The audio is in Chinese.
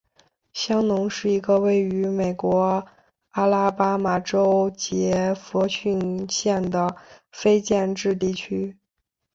香农是一个位于美国阿拉巴马州杰佛逊县的非建制地区。